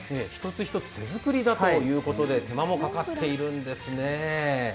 一つ一つ手作りだということで手間もかかってるんですね。